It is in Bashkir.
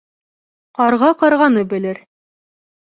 Ҡарға ҡарғаны белер.